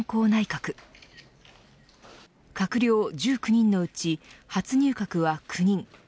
閣僚１９人のうち初入閣は９人。